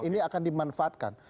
ini akan dimanfaatkan